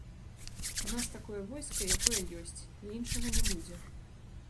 У нас такое войска, якое ёсць, і іншага не будзе.